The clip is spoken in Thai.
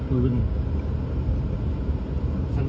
รัวพื้น